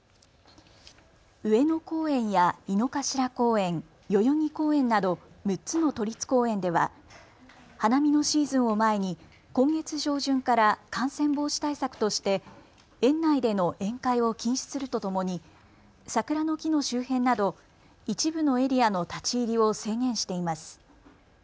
上野公園や井の頭公園、代々木公園など６つの都立公園では花見のシーズンを前に今月上旬から感染防止対策として園内での宴会を禁止するとともに桜の木の周辺など一部のエリアの立ち入りを制限しています。